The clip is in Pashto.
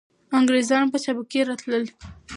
انګریزان په چابکۍ راتلل.